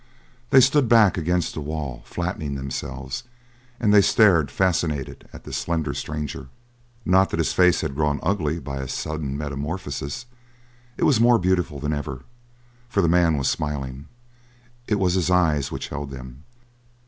They stood back against the wall, flattening themselves, and they stared, fascinated, at the slender stranger. Not that his face had grown ugly by a sudden metamorphosis. It was more beautiful than ever, for the man was smiling. It was his eyes which held them.